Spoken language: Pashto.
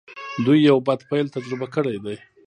دوی يو بد پيل تجربه کړی دی.